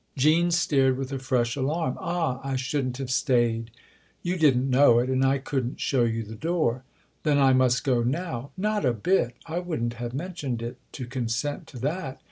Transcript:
Jean stared with a fresh alarm. " Ah, I shouldn't have stayed !"" You didn't know it, and I couldn't show you the door." "Then I must go now." " Not a bit. I wouldn't have mentioned it to consent to that.